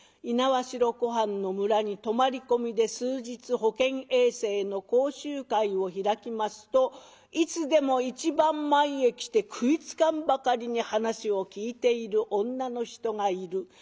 猪苗代湖畔の村に泊まり込みで数日保健衛生の講習会を開きますといつでも一番前へ来て食いつかんばかりに話を聞いている女の人がいる。